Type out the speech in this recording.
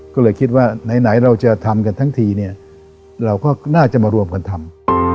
ก็เลยคิดว่าไหนเราจะทำกันทั้งทีเนี่ยเราก็น่าจะมารวมกันทำ